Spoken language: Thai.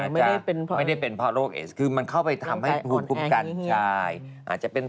ไม่ได้เป็นพอโรคเอสคือมันเข้าไปทำให้คุมกัน